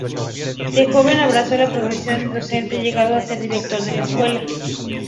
De joven abrazó la profesión docente, llegando a ser director de la escuela.